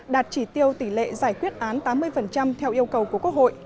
đạt chỉ tiêu tỷ lệ giải quyết án tám mươi theo yêu cầu của quốc hội